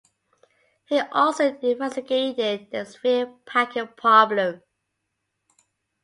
He also investigated the sphere packing problem.